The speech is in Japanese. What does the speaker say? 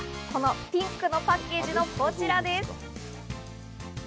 ピンクのパッケージのこちらです。